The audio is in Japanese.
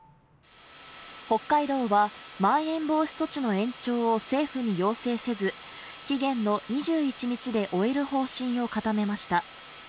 北海道はまん延防止措置の延長を政府に要請せず期限の２１日で終える方針を固めました